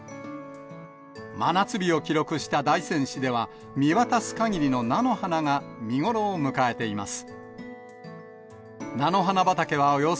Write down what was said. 真夏日を記録した大仙市では、見渡すかぎりの菜の花が見頃を迎えています。